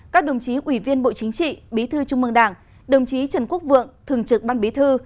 các đồng chí ủy viên bộ chính trị bí thư trung mương đảng đồng chí trần quốc vượng thường trực ban bí thư